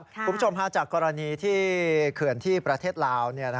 คุณผู้ชมฮาจากกรณีที่เขื่อนที่ประเทศลาว